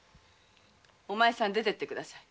お前さん出てってください。